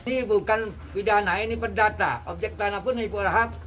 ini bukan pidana ini perdata objek tanah pun hipor hak